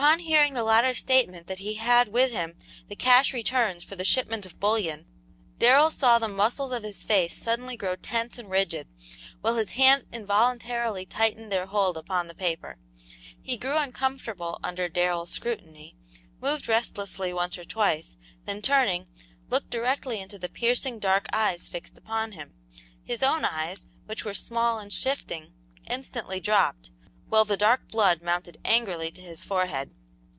Upon hearing the latter's statement that he had with him the cash returns for the shipment of bullion, Darrell saw the muscles of his face suddenly grow tense and rigid, while his hands involuntarily tightened their hold upon the paper. He grew uncomfortable under Darrell's scrutiny, moved restlessly once or twice, then turning, looked directly into the piercing dark eyes fixed upon him. His own eyes, which were small and shifting, instantly dropped, while the dark blood mounted angrily to his forehead.